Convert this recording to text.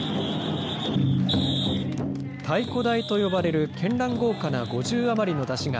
太鼓台と呼ばれるけんらん豪華な５０余りの山車が、